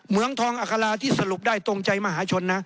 เมืองทองอัคราที่สรุปได้ตรงใจมหาชนนะ